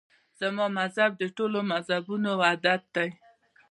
زما مذهب د ټولو مذهبونو وحدت دی.